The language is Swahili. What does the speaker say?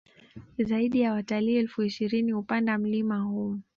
Zaidi ya watalii elfu ishirini hupanda mlima huu